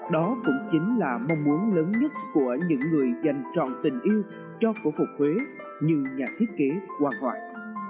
đó cũng chính là mong muốn lớn nhất của những người dành trọng tình yêu cho phổ phục huế như nhà thiết kế hoàng hoàng